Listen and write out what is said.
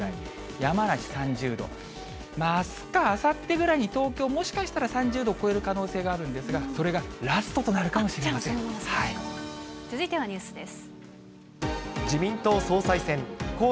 山梨３０度、あすかあさってぐらいに東京、もしかしたら３０度超える可能性があるんですが、それがラストと続いてはニュースです。